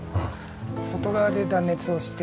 外側で断熱をして。